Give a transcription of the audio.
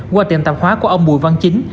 qua tiệm tạp hóa của ông bùi văn chính